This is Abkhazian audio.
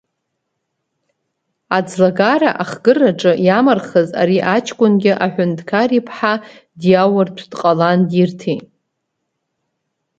Аӡлагара ахкыраҿы иамырхыз ари аҷкәынгьы аҳәынҭқар иԥҳа диауртә дҟалан, дирҭеит.